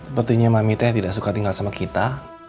sepertinya mami teh tidak suka tinggal sama kita